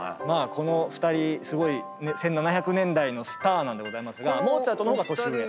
この２人すごい１７００年代のスターなんですがモーツァルトの方が年上。